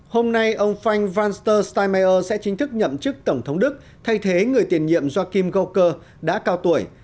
hôm nay ông frank walter steinmeier sẽ chính thức nhậm chức tổng thống đức thay thế người tiền nhiệm joachim goecker đã cao tuổi